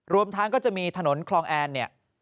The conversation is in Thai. รวมทั้งก็จะมีถนนคลองแอนเนี่ย